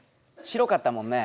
白かったもんね。